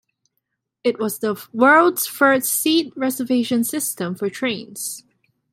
It was the world's first seat reservation system for trains.